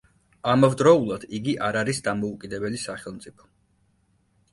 ამავდროულად იგი არ არის დამოუკიდებელი სახელმწიფო.